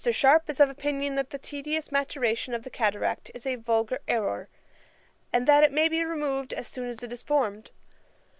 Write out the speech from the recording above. Sharpe is of opinion that the tedious maturation of the cataract is a vulgar errour, and that it may be removed as soon as it is formed.